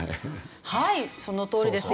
はいそのとおりです。